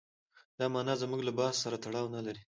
دا معنا زموږ له بحث سره تړاو نه لري.